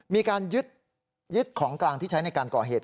มีการยึดของกลางที่ใช้ในการก่อเหตุ